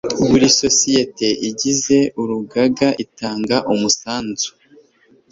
buri sosiyete igize urugaga itanga umusanzu